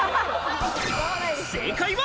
正解は。